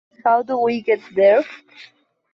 How Do We Get There?